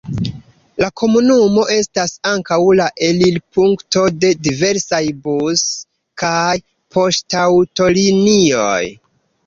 La komunumo estas ankaŭ la elirpunkto de diversaj bus- kaj poŝtaŭtolinioj.